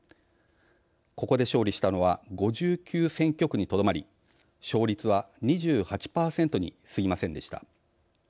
ここで勝利したのは５９選挙区にとどまり勝率は２８％にすぎませんでした。